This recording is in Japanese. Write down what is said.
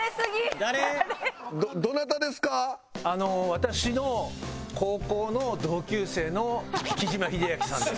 私の高校の同級生の木島英明さんです。